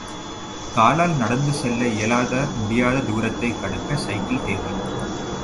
காலால் நடந்து செல்ல இயலாத முடியாத தூரத்தைக் கடக்க சைக்கிள் தேவை.